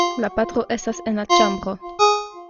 La patro estas en la ĉambro.